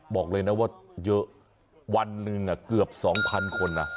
บอกเลยนะว่าเยอะวันหนึ่งเกือบ๒๐๐คนนะ